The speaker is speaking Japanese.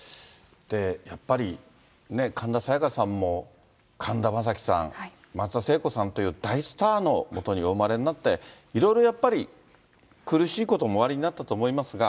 やっぱりね、神田沙也加さんも神田正輝さん、松田聖子さんという大スターのもとにお生まれになって、いろいろやっぱり、苦しいこともおありになったと思いますが。